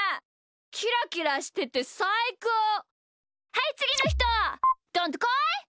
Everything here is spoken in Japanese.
はいつぎのひとどんとこい！